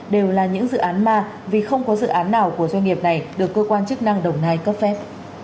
đều là những dự án ma vì không có dự án nào của doanh nghiệp này được cơ quan chức năng đồng nai cấp phép